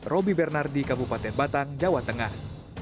roby bernardi kabupaten batang jawa tengah